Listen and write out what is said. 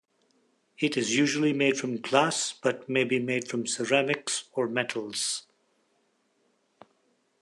It is usually made from glass, but may be made from ceramics or metals.